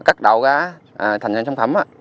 cắt đầu ra thành sống thẩm